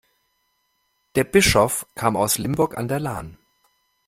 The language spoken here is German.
Der Bischof kam aus Limburg an der Lahn.